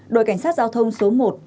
đội cảnh sát giao thông số một